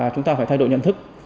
chúng ta phải thay đổi nhận thức